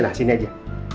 nah sini aja